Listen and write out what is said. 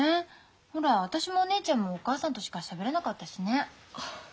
ほら私もお姉ちゃんもお母さんとしかしゃべらなかったしね。